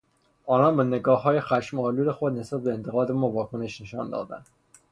آنان با نگاههای خشمآلود خود نسبت به انتقاد ما واکنش نشان دادند.